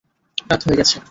রাত হয়ে গেছে।